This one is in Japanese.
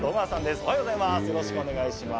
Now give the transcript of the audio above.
おはようございます。